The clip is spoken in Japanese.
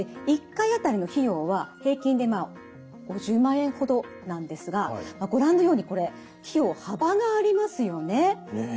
１回あたりの費用は平均で５０万円ほどなんですがご覧のようにこれ費用幅がありますよね。